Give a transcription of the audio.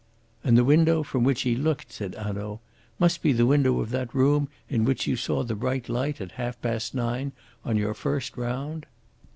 "And the window from which he looked," said Hanaud, "must be the window of that room in which you saw the bright light at half past nine on your first round?"